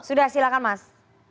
sudah silakan mas